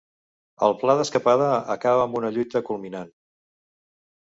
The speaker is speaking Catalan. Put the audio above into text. El pla d'escapada acaba amb una lluita culminant.